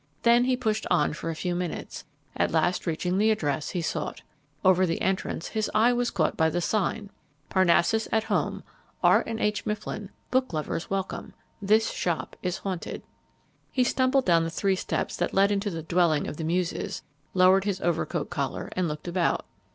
Then he pushed on for a few minutes, at last reaching the address he sought. Over the entrance his eye was caught by the sign: PARNASSUS AT HOME R. AND H. MIFFLIN BOOKLOVERS WELCOME! THIS SHOP IS HAUNTED He stumbled down the three steps that led into the dwelling of the muses, lowered his overcoat collar, and looked about.